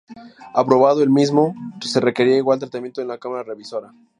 Aprobado el mismo, se requerirá igual tratamiento en la Cámara revisora.